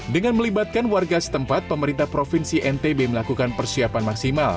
dengan melibatkan warga setempat pemerintah provinsi ntb melakukan persiapan maksimal